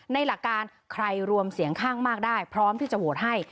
หลักการใครรวมเสียงข้างมากได้พร้อมที่จะโหวตให้